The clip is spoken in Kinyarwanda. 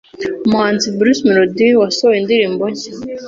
Umuhanzi Bruce Melody wasohoye indirimbo nshya